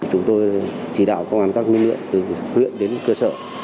chúng tôi chỉ đạo công an các nhân viện từ huyện đến cơ sở